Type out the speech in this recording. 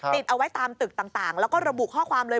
ติดเอาไว้ตามตึกต่างแล้วก็ระบุข้อความเลย